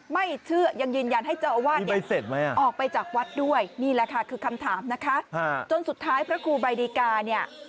ไม่เชื่อยังยืนยันให้เจ้าอาวาสเนี่ยออกไปจากวัดด้วยนี่แหละค่ะคือคำถามนะคะจนสุดท้ายพระครูใบดีกาเนี่ย